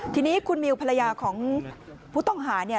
ทีนี้คุณมิวภรรยาของผู้ต้องหาเนี่ย